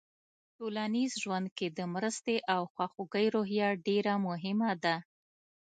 ټولنیز ژوند کې د مرستې او خواخوږۍ روحیه ډېره مهمه ده.